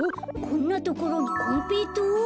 こんなところにこんぺいとう？